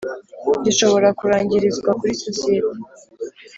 Gishobora kurangirizwa kuri sosiyete